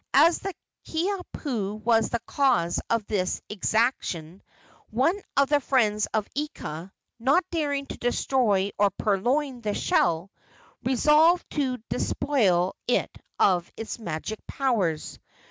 As the Kiha pu was the cause of this exaction, one of the friends of Ika, not daring to destroy or purloin the shell, resolved to despoil it of its magic powers.